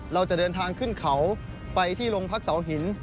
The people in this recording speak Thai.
เราจะเดินทางขึ้นเขาไปที่โรงพักเสาหิน